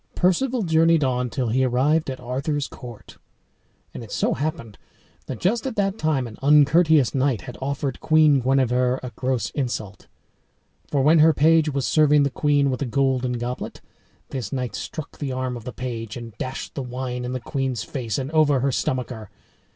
Perceval journeyed on till he arrived at Arthur's court. And it so happened that just at that time an uncourteous knight had offered Queen Guenever a gross insult. For when her page was serving the queen with a golden goblet, this knight struck the arm of the page and dashed the wine in the queen's face and over her stomacher.